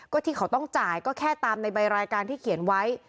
ก็ที่เขาต้องจ่ายก็แค่ตามในใบรายการที่เขียนไว้